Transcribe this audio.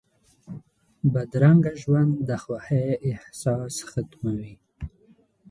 بدرنګه ژوند د خوښۍ احساس ختموي